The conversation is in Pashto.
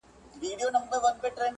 نوموړي د کندهار